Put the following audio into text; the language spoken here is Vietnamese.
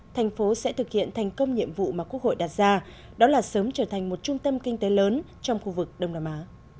thành phố sẽ thực hiện thành công nhiệm vụ mà quốc hội đặt ra đó là sớm trở thành một trung tâm kinh tế lớn trong khu vực đông nam á